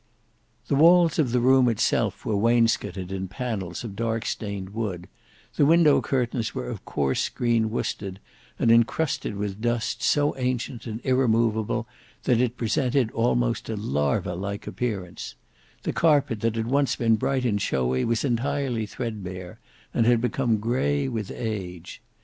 The wails of the room itself were waincsotted in pannels of dark stained wood; the window curtains were of coarse green worsted, and encrusted with dust so ancient and irremovable, that it presented almost a lava like appearance; the carpet that had once been bright and showy, was entirely threadbare, and had become grey with age.